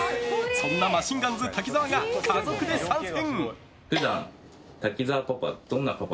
そんなマシンガンズ滝沢が家族で参戦！